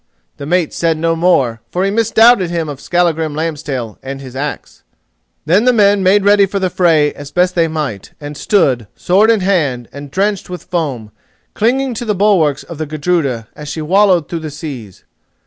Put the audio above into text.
The mate said no more, for he misdoubted him of Skallagrim Lambstail and his axe. Then men made ready for the fray as best they might, and stood, sword in hand and drenched with foam, clinging to the bulwarks of the Gudruda as she wallowed through the seas.